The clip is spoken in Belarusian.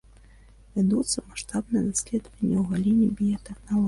Вядуцца маштабныя даследаванні ў галіне біятэхналогій.